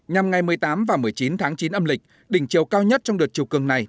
nhằm ngày một mươi tám và một mươi chín tháng chín âm lịch đỉnh chiều cao nhất trong đợt chiều cường này